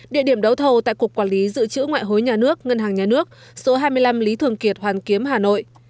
địa điểm đấu thầu tại cục quản lý dự trữ ngoại hối nhà nước ngân hàng nhà nước số hai mươi năm lý thường kiệt hoàn kiếm hà nội